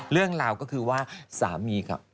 เรื่องราวก็คือว่าสามีครับ